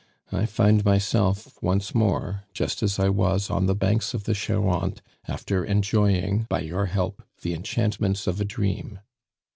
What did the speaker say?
I find myself once more just as I was on the banks of the Charente, after enjoying, by your help, the enchantments of a dream.